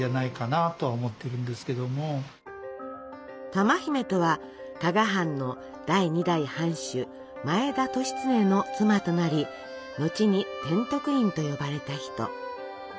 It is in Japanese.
珠姫とは加賀藩の第２代藩主前田利常の妻となり後に天徳院と呼ばれた人。